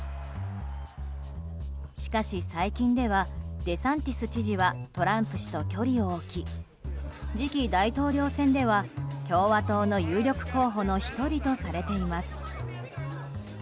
しかし最近ではデサンティス知事はトランプ氏と距離を置き次期大統領選では共和党の有力候補の１人とされています。